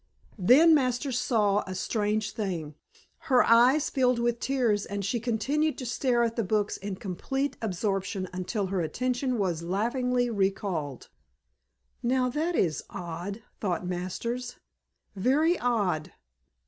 Then, Masters saw a strange thing. Her eyes filled with tears and she continued to stare at the books in complete absorption until her attention was laughingly recalled. "Now, that is odd," thought Masters. "Very odd."